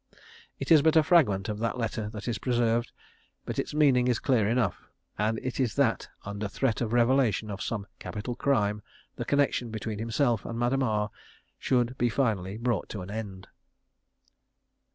It is but a fragment of that letter that is preserved, but its meaning is clear enough, and it is that under threat of revelation of some capital crime, the connection between himself and Madame R should be finally brought to an end.